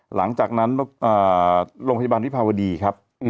หลังจากนั้นโรงพยาบาลวิภาวดีครับ